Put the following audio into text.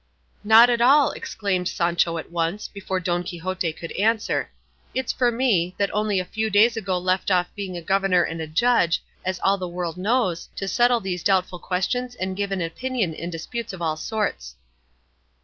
"Not at all," exclaimed Sancho at once, before Don Quixote could answer; "it's for me, that only a few days ago left off being a governor and a judge, as all the world knows, to settle these doubtful questions and give an opinion in disputes of all sorts."